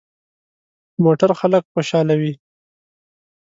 موټر خلک خوشحالوي.